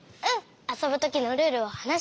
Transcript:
あそぶときのルールをはなしあってくる！